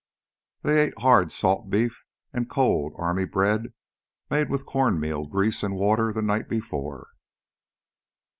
They ate hard salt beef and cold army bread made with corn meal, grease, and water the night before.